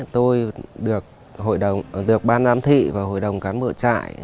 tôi được ban giám thị và hội đồng cán bộ trại